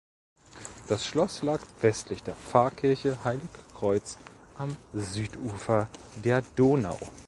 Das Schloss lag westlich der Pfarrkirche Heilig Kreuz am Südufer der Donau.